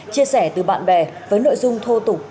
chia sẻ từ bạn bè với nội dung thô tục